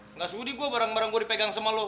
enggak sudi gua barang barang gua dipegang sama lu